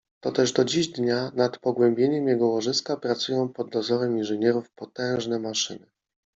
Toteż do dziś dnia nad pogłębieniem jego łożyska pracują pod dozorem inżynierów potężne maszyny.